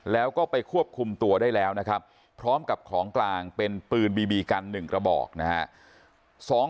แล้วก็ไปควบคุมตัวได้แล้วนะครับพร้อมกับของกลางเป็นปืนบีบีกัน๑กระบอกนะฮะ